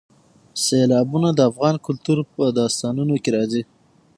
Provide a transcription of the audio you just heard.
سیلابونه د افغان کلتور په داستانونو کې راځي.